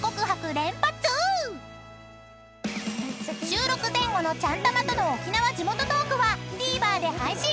［収録前後のちゃんたまとの沖縄地元トークはＴＶｅｒで配信。